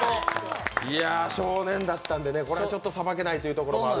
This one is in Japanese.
少年だったんでね、これはちょっと裁けないということで。